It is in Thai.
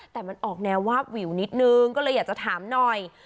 แต่มันออกแนววาบวิวนิดนึงก็เลยอยากจะถามหน่อย